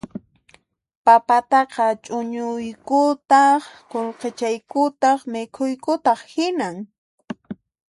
Papataqa chuñuykutaq qullqichaykutaq mikhuykutaq hinan